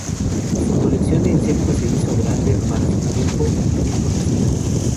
Su colección de insectos se hizo grande para su tiempo y muy conocida.